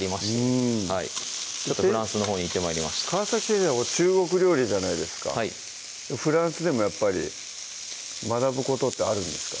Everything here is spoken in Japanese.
うんフランスのほうに行って参りました川先生中国料理じゃないですかはいフランスでもやっぱり学ぶことってあるんですか？